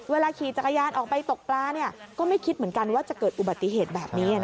ขี่จักรยานออกไปตกปลาก็ไม่คิดเหมือนกันว่าจะเกิดอุบัติเหตุแบบนี้